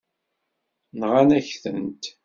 Nɣan-ak-tent.